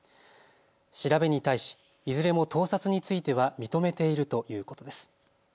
調べに対しいずれも盗撮については認めているということです。